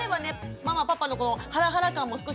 ママパパのこのハラハラ感も少し薄まるかも。